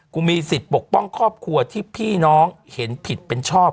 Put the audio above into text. กูมีสิทธิ์ปกป้องครอบครัวที่พี่น้องเห็นผิดเป็นชอบ